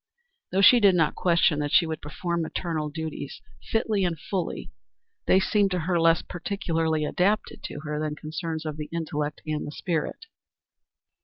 Though she did not question that she would perform maternal duties fitly and fully, they seemed to her less peculiarly adapted to her than concerns of the intellect and the spirit.